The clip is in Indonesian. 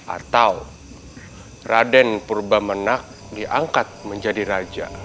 atau raden purba menang diangkat menjadi raja